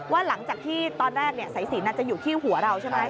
หลังจากที่ตอนแรกสายสินจะอยู่ที่หัวเราใช่ไหม